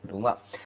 đúng không ạ